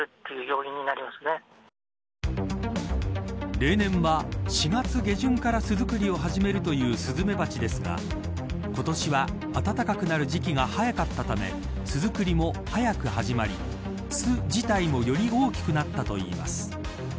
例年は、４月下旬から巣作りを始めるというスズメバチですが今年は暖かくなる時期が早かったため巣作りも早く始まり巣自体もより大きくなったといいます。